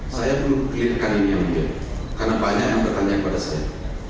saya perlu clearkan ini karena banyak yang bertanya kepada saya